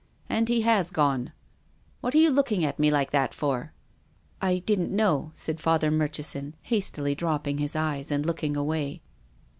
And he has gone. What arc you looking at me like that for?" " I didn't know," said Father Murchison, hastily dropping his eyes, and looking away.